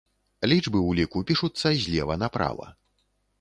Лічбы ў ліку пішуцца злева направа.